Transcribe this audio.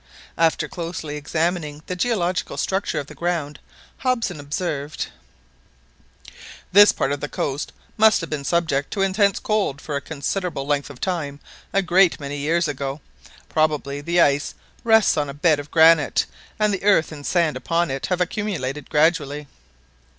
After closely examining the geological structure of the ground, Hobson observed: "This part of the coast must have been subjected to intense cold for a considerable length of time a great many years ago. Probably the ice rests on a bed of granite, and the earth and sand upon it have accumulated gradually."